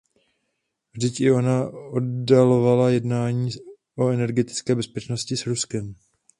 Vždyť i ona oddalovala jednání o energetické bezpečnosti s Ruskem.